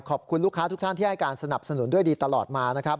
ขอบคุณลูกค้าทุกท่านที่ให้การสนับสนุนด้วยดีตลอดมานะครับ